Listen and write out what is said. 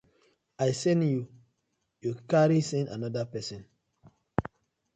I sen yu, yu carry sen anoda pesin.